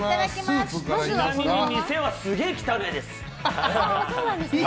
ちなみに店はすげえ汚いです！